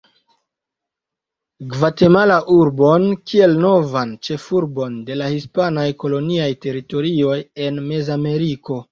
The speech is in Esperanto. Gvatemala-urbon kiel novan ĉefurbon de la hispanaj koloniaj teritorioj en Mezameriko.